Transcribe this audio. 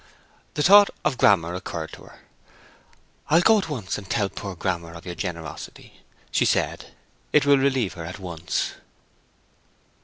The thought of Grammer occurred to her. "I'll go at once and tell poor Grammer of your generosity," she said. "It will relieve her at once."